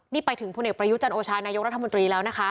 นี่ไปถึงพุนเกษฐประยุชน์โอชาจรรย์นายกรัฐมนตรีแล้วนะคะ